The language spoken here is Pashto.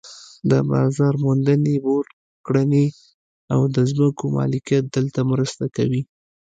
د بازار موندنې بورډ کړنې او د ځمکو مالکیت دلته مرسته کوي.